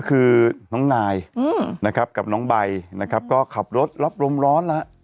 คือน้องนายนะครับกับน้องใบนะครับก็ขับรถรับลมร้อนแล้ว